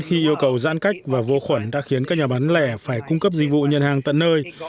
khi yêu cầu giãn cách và vô khuẩn đã khiến các nhà bán lẻ phải cung cấp dịch vụ nhận hàng tận nơi